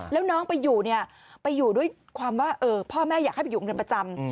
แล้วน้องไปอยู่เนี่ยไปอยู่ด้วยความว่าพ่อแม่อยากให้ไปอยู่โรงเรียนประจำ